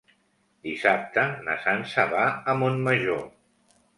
Dissabte na Sança va a Montmajor.